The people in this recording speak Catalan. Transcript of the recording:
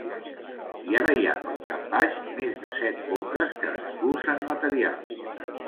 I ara hi ha, pel cap baix, més de set boques que expulsen material.